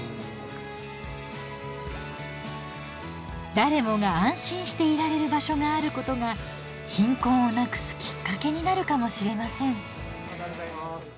誰もが安心していられる場所があることが貧困をなくすきっかけになるかもしれません。